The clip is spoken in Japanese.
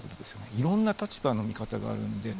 いろんな立場の見方があるんで。